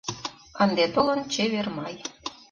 Ынде толын чевер май